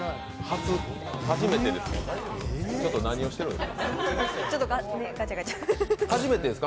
初めてです。